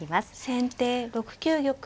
先手６九玉。